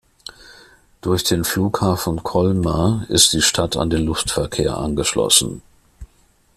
Durch den Flughafen Colmar ist die Stadt an den Luftverkehr angeschlossen.